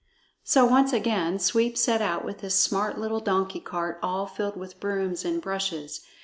So once again Sweep set out with his smart little donkey cart all filled with brooms and brushes.